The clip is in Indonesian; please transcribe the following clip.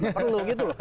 tidak perlu gitu